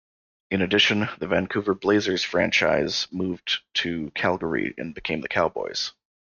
In addition, the Vancouver Blazers franchise moved to Calgary and became the Cowboys.